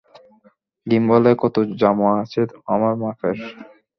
গিম্বলে, কতো জামা আছে, আমার মাপের।